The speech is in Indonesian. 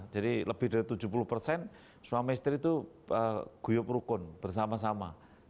jadi lebih dari tujuh puluh persen suami istri itu guyup rukun bersama sama